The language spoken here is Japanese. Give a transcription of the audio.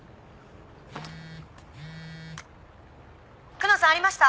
久能さんありました！